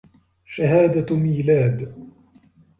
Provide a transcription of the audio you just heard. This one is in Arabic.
شهادة ميلاد